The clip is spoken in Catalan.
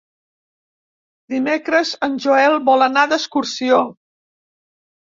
Dimecres en Joel vol anar d'excursió.